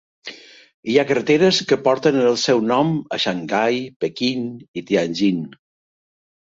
Hi ha carreteres que porten el seu nom a Xangai, Pequín i Tianjin.